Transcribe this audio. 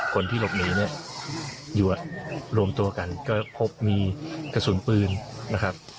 คนที่หลบหนีเนี่ยหยวดรวมตัวกันก็พบมีกระสุนปืนนะครับ